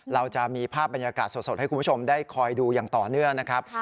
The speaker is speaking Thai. เราจะมีภาพบรรยากาศสดให้คุณผู้ชมได้คอยดูอย่างต่อเนื่องนะครับ